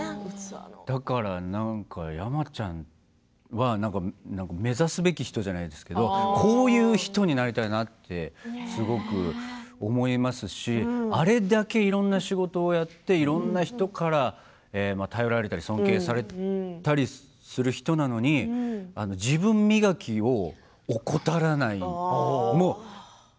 だから、なんか、山ちゃんは目指すべき人じゃないですけどこういう人になりたいなとすごく思いますしあれだけいろんな仕事をやっていろんな人から頼られたり尊敬されたりする人なのに自分磨きを怠らないんですよね。